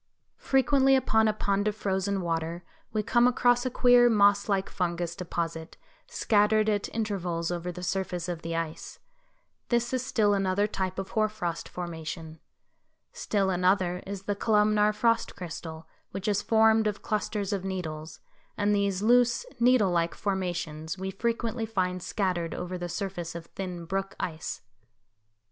Frequently upon a pond of frozen water we come across a queer moss like fungus deposit scattered at intervals over the surface of the ice. This is still another type of hoar frost formation. Still another is the columnar frost crystal, which is formed of clusters of needles, and these loose, needle like formations we frequently find scattered over the surface of thin brook ice.